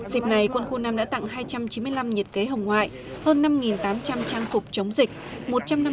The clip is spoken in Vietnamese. dịp này quân khu năm đã tặng hai trăm chín mươi năm nhiệt kế hồng ngoại hơn năm tám trăm linh trang phục chống dịch